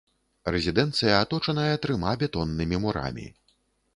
Рэзідэнцыя аточаная трыма бетоннымі мурамі.